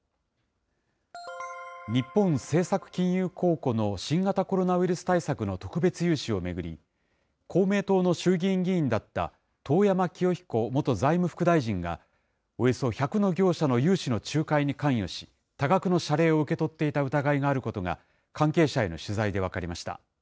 日本政策金融公庫の新型コロナウイルス対策の特別融資を巡り、公明党の衆議院議員だった遠山清彦元財務副大臣が、およそ１００の業者の融資の仲介に関与し、多額の謝礼を受け取っていた疑いがあることが、関係者への取材で分かりました。